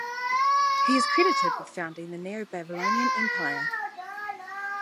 He is credited with founding the Neo-Babylonian Empire.